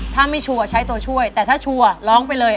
ถ้าไม่ชัวร์ใช้ตัวช่วยแต่ถ้าชัวร์ร้องไปเลย